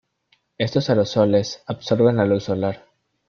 Estos aerosoles absorben la luz solar.